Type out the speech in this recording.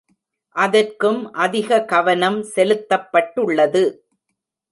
அதற்கும் அதிக கவனம் செலுத்தப்பட்டுள்ளது